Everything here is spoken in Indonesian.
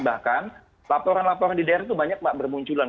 bahkan laporan laporan di daerah itu banyak mbak bermunculan